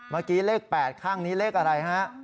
เมื่อกี้เลข๘ข้างนี้เลขอะไรฮะ